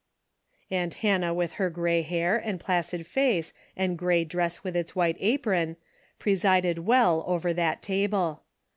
Aunt Hannah with her grey hair and placid face and grey dress with its white apron pre sided well over that table.